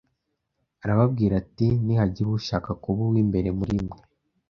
arababwira ati ‘Nihagira ushaka kuba uw’imbere muri mwe